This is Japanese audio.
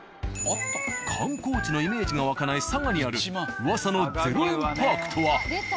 観光地のイメージが湧かない佐賀にある噂の０円パークとは一体？